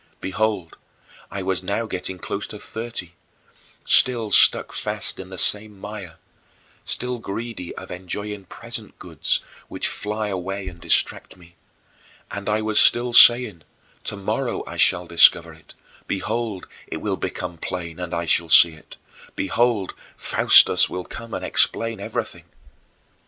Behold, I was now getting close to thirty, still stuck fast in the same mire, still greedy of enjoying present goods which fly away and distract me; and I was still saying, "Tomorrow I shall discover it; behold, it will become plain, and I shall see it; behold, Faustus will come and explain everything."